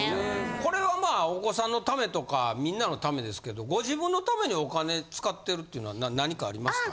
これはまあお子さんのためとかみんなのためですけどご自分のためにお金使ってるってのは何かありますか？